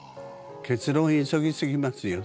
結論を急ぎ過ぎますよ